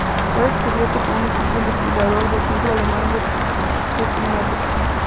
Fue descubierto por un equipo investigador del Centro Alemán de Primates.